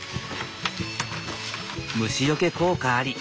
虫よけ効果あり。